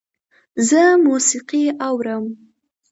زه موسیقي اورم